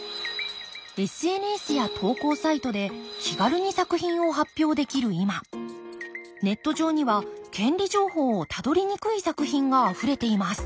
ＳＮＳや投稿サイトで気軽に作品を発表できる今ネット上には権利情報をたどりにくい作品があふれています。